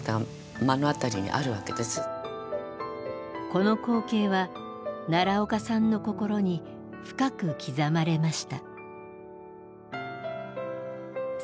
この光景は奈良岡さんの心に深く刻まれました。